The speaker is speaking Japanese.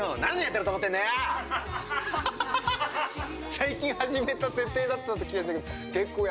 最近始めた設定だった気がするけど結構やってるのね。